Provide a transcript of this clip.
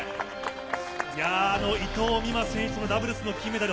伊藤美誠選手とダブルスの金メダル